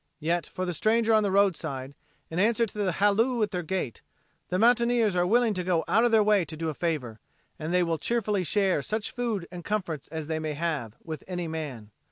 Yet for the stranger on the roadside, in answer to the halloo at their gate, the mountaineers are willing to go out of their way to do a favor, and they will cheerfully share such food and comforts as they may have, with any man.